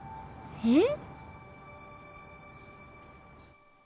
えっ？